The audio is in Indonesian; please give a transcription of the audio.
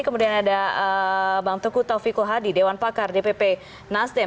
kemudian ada bang tukut taufik kulhadi dewan pakar dpp nasdem